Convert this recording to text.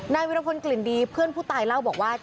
วิรพลกลิ่นดีเพื่อนผู้ตายเล่าบอกว่า